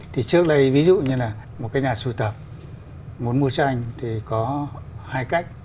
thì trước đây ví dụ như là một cái nhà sưu tập muốn mua tranh thì có hai cách